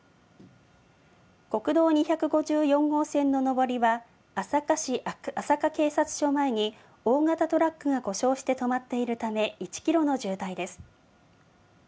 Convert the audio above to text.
国道２５４号線の上りは、朝霞市朝霞警察署前に大型トラックが故障して止まっているため、１キロの渋滞です。